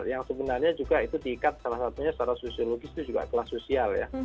yang sebenarnya juga itu diikat salah satunya secara sosiologis itu juga kelas sosial ya